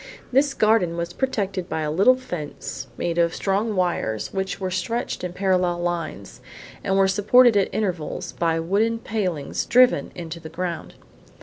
This garden was protected by a little fence made of strong wires which were stretched in parallel lines, and were supported at intervals by wooden palings driven into the ground.